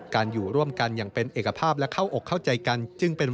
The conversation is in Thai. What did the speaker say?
การอยู่ร่วมกันอย่างเป็นเอกภาพและเข้าอกเข้าใจกัน